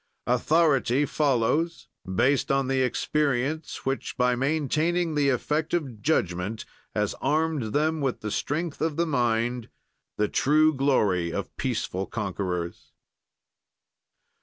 "Authority follows, based on the experience which, by maintaining the effect of judgment, has armed them with the strength of the mind, the true glory of peaceful conquerors."